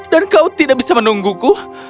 dan kau tidak bisa menungguku